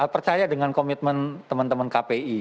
percaya dengan komitmen teman teman kpi